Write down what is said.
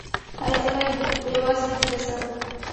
ایا زه باید یوازې ویده شم؟